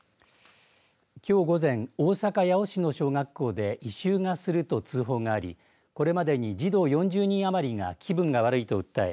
きょう午前大阪八尾市の小学校で異臭がすると通報がありこれまでに児童４０人余りが気分が悪いと訴え